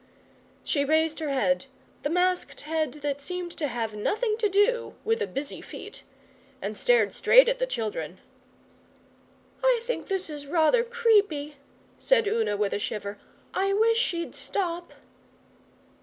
She raised her head the masked head that seemed to have nothing to do with the busy feet and stared straight at the children. 'I think this is rather creepy,' said Una with a shiver. 'I wish she'd stop.